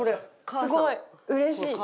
すごいうれしい。